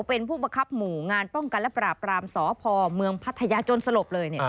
เป็นผู้บังคับหมู่งานป้องกันและปราบรามสพเมืองพัทยาจนสลบเลย